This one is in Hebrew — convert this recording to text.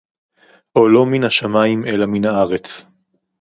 או לא מן השמים אלא מן הארץ